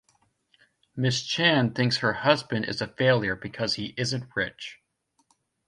Mrs. Chan thinks her husband is a failure because he isn't rich.